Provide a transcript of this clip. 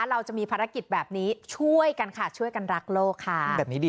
เราจะมีภารกิจแบบนี้ช่วยกันค่ะช่วยกันรักโลกค่ะ